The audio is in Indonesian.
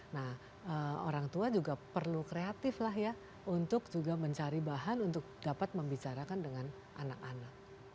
nah orang tua juga perlu kreatif lah ya untuk juga mencari bahan untuk dapat membicarakan dengan anak anak